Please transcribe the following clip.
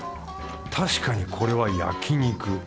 確かにこれは焼肉。